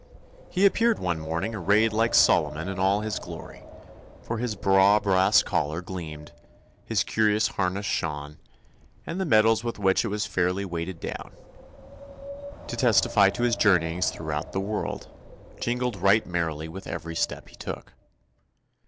He appeared one morning arrayed like Solomon in all his glory, for his "braw brass collar" gleamed, his curious harness shone, and the medals with which it was fair ly weighted down, to testify to his journey ings throughout the world, jingled right merrily with every step he took.